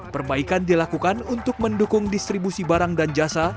perbaikan dilakukan untuk mendukung distribusi barang dan jasa